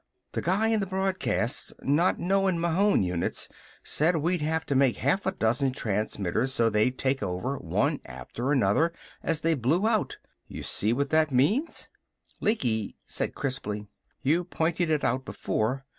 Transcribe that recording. The guy in the broadcast not knowing Mahon units said we'd have to make half a dozen transmitters so they'd take over one after another as they blew out. You see what that means?" Lecky said crisply: "You pointed it out before.